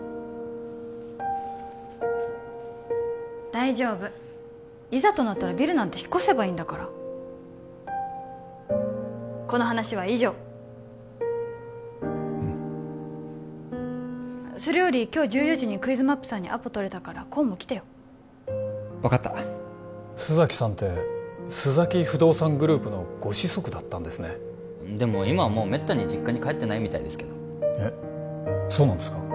大丈夫いざとなったらビルなんて引っ越せばいいんだからこの話は以上うんそれより今日１４時にクイズマップさんにアポとれたから功も来てよ分かった須崎さんって須崎不動産グループのご子息だったんですねでも今はもうめったに実家に帰ってないみたいですけどえっそうなんですか？